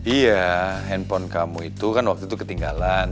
iya handphone kamu itu kan waktu itu ketinggalan